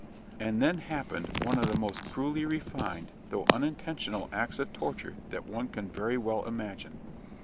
And then happened one of the most cruelly refined, though unintentional, acts of torture that one can very well imagine.